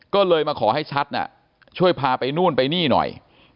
ก็เลยมาขอให้ชัดช่วยพาไปนู่นไปนี่หน่อย